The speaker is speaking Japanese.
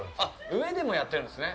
上でもやってるんですね。